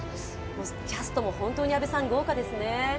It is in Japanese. キャストも本当に阿部さん豪華ですね。